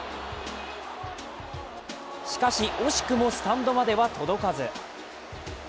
しかし惜しくもスタンドまでは届かず。